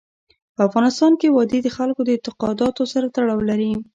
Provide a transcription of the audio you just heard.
په افغانستان کې وادي د خلکو د اعتقاداتو سره تړاو لري.